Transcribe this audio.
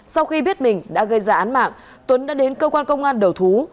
sau khi biết mình đã gây ra án mạng tuấn đã đến cơ quan công an đầu thú